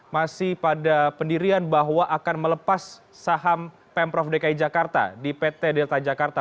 masih pada pendirian bahwa akan melepas saham pemprov dki jakarta di pt delta jakarta